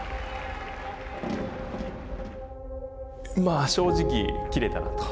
まあ正直切れたなと。